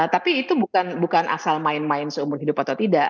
tapi itu bukan asal main main seumur hidup atau tidak